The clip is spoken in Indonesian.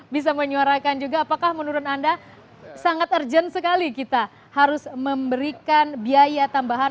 bisa menyuarakan juga apakah menurut anda sangat urgent sekali kita harus memberikan biaya tambahan